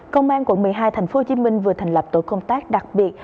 công an quận một mươi hai tp hcm vừa thành lập tổ công tác đặc biệt